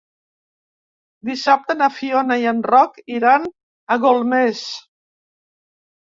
Dissabte na Fiona i en Roc iran a Golmés.